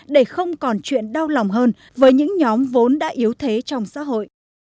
để không còn chuyện đau lòng hơn với những nhóm vốn đã yếu thế trong xã hội